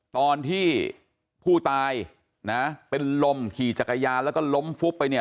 ตอนที่ผู้ตายนะเป็นลมขี่จักรยานแล้วก็ล้มฟุบไปเนี่ย